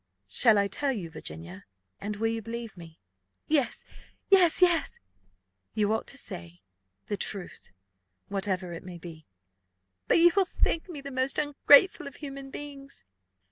"Shall I tell you, Virginia? And will you believe me?" "Yes, yes, yes!" "You ought to say the truth, whatever it may be." "But you will think me the most ungrateful of human beings?"